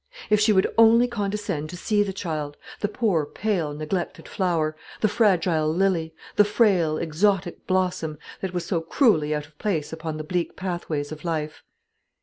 If she would only condescend to see the child, the poor pale neglected flower, the fragile lily, the frail exotic blossom, that was so cruelly out of place upon the bleak pathways of life!